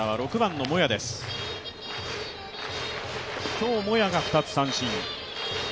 今日、モヤが２つ三振。